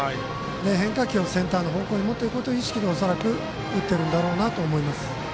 変化球をセンター方向に持っていこうという意識で恐らく、打っているんだろうと思います。